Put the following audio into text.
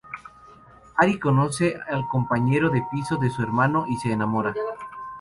Ari conoce al compañero de piso de su hermano y se enamora.